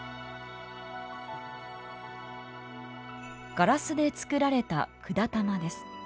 ガラスで作られた管玉です。